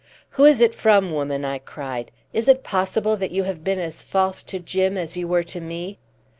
"Who is it from, woman?" I cried. "Is it possible that you have been as false to Jim as you were to me?"